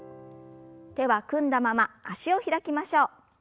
手は組んだまま脚を開きましょう。